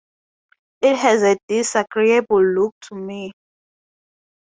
It has a disagreeable look to me.